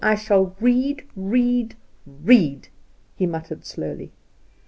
I shall read, read, read," he muttered slowly.